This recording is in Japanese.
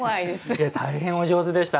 大変お上手でした。